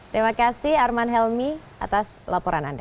terima kasih arman helmi atas laporan anda